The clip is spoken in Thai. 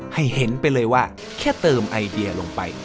ให้เห็นไปเลยว่าแค่เติมไอเดียลงไป